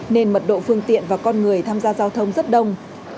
nên mật độ phương tiện và con người tham gia giao thông rất đông